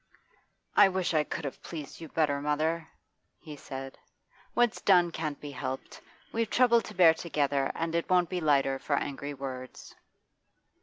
'I wish I could have pleased you better, mother,' he said. 'What's done can't be helped. We've trouble to bear together, and it won't be lighter for angry words.